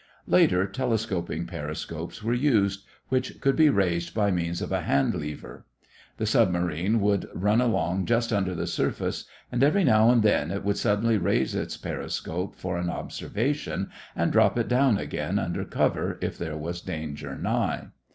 Later, telescoping periscopes were used, which could be raised by means of a hand lever. The submarine would run along just under the surface and every now and then it would suddenly raise its periscope for an observation and drop it down again under cover if there was danger nigh.